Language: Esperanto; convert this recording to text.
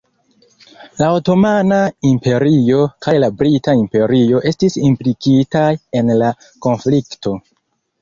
La Otomana Imperio kaj la Brita Imperio estis implikitaj en la konflikto.